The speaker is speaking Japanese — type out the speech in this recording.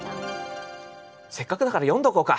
せっかくだから読んどこうか。